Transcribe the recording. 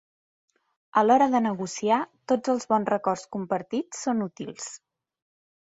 A l'hora de negociar, tots els bons records compartits són útils.